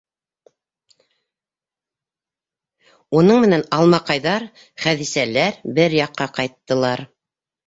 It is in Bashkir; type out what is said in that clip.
Уның менән Алмаҡайҙар, Хәҙисәләр бер яҡҡа ҡайттылар.